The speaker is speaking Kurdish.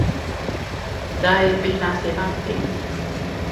Dayê bêhna sêvan tê min.